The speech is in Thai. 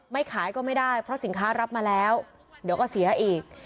ไม่ขายก็ไม่ได้เพราะสินค้ารับมาแล้วเดี๋ยวก็เสียอีก